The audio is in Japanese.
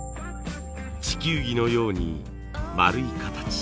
地球儀のようにまるい形。